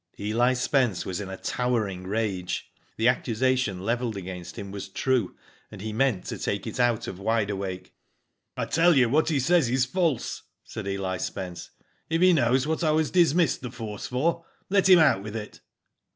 Eli Spence was in a towering rage. The ac cusation levelled against him was true, and he meant to take it out of Wide Awake. " I tell you what he says is false," said Eli Spence. " If he knows what I was dismissed the force for, let him out with it."